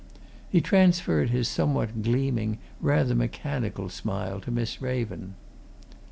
He transferred his somewhat gleaming, rather mechanical smile to Miss Raven.